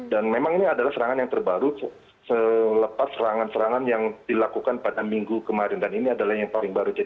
dan memang ini adalah serangan yang terbaru selepas serangan serangan yang dilakukan pada minggu kemarin dan ini adalah yang paling baru jadi